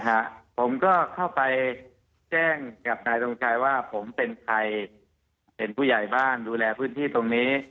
ผมก็เข้าไปแจ้งกับนายทรงชัยว่าผมเป็นใครเป็นผู้ใหญ่บ้านดูแลพื้นที่ตรงนี้